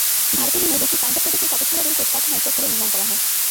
ভারতের ঋণে দেশটির পাঞ্জাব প্রদেশের কাপুরথালা রেলকোচ কারখানায় কোচগুলো নির্মাণ করা হয়।